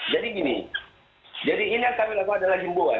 jadi gini jadi ini yang kami lakukan adalah jemboan